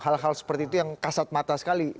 hal hal seperti itu yang kasat mata sekali